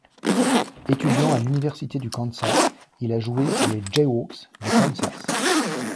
Étudiant à l'Université du Kansas, il a joué pour les Jayhawks du Kansas.